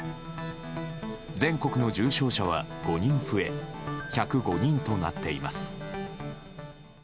全国の重症者は５人増え１０５人となっています。